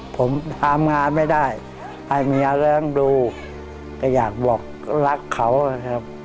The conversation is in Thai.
ผมทำงานไม่ได้ให้เมียเลี้ยงดูแต่อยากบอกรักเขานะครับ